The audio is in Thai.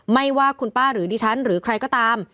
ไม่ว่าคุณป้าหรือดิฉันหรือใครก็ตาม